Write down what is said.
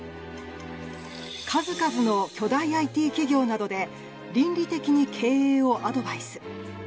数々の巨大ＩＴ企業などで倫理的に経営をアドバイス。